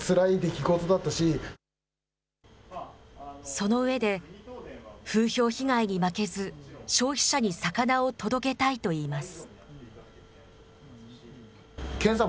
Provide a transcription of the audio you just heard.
その上で、風評被害に負けず、消費者に魚を届けたいといいます。